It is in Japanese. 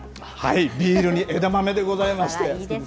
ビールに枝豆でございまして。